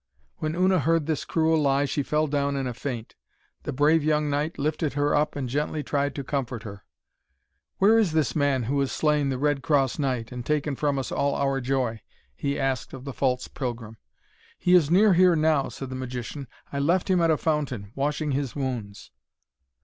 When Una heard this cruel lie she fell down in a faint. The brave young knight lifted her up and gently tried to comfort her. 'Where is this man who has slain the Red Cross Knight, and taken from us all our joy?' he asked of the false pilgrim. 'He is near here now,' said the magician. 'I left him at a fountain, washing his wounds.'